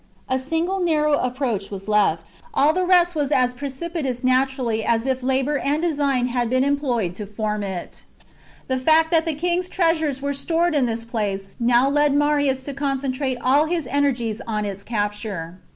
A single narrow approach was left ; all the rest was as precipitous naturally as if labour and design had been employed to form it. The fact that the king's treasures were stored in this place now led Marius to concentrate all his energies on its capture.